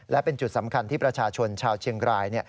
และเป็นจุดสำคัญที่ประชาชนชาวเชียงราย